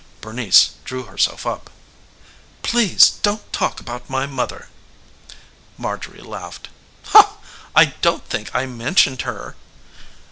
Bernice drew herself up. "Please don't talk about my mother." Marjorie laughed. "I don't think I mentioned her."